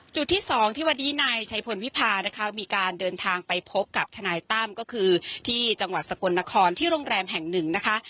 จุดที่สองที่วันนี้นายชัยพลวิพานะคะมีการเดินทางไปพบกับทนายตั้มก็คือที่จังหวัดสกลนครที่โรงแรมแห่งหนึ่งนะคะ